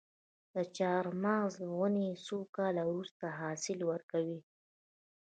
د چهارمغز ونې څو کاله وروسته حاصل ورکوي؟